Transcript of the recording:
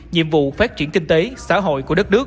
nhiệm vụ phát triển kinh tế xã hội của đất nước